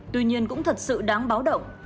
tuy nhiên cũng thật sự đáng báo động